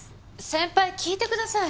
先輩聞いてください。